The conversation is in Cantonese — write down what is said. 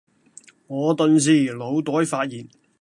我頓時腦袋發熱